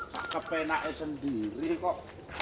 sakep enaknya sendiri kok